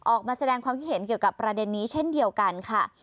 ออกมาแสดงความคิดเห็นเกี่ยวกับประเด็นนี้เช่นเดียวกันค่ะ